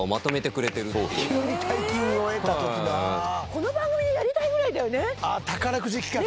この番組でやりたいぐらいだよね！